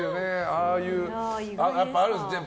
ああいうのあるんですね。